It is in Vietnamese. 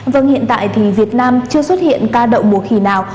vâng hiện tại thì việt nam chưa xuất hiện ca đậu mùa khỉ nào